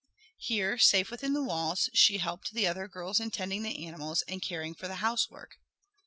Here, safe within the walls, she helped the other girls in tending the animals and caring for the housework.